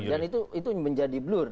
dan itu menjadi blur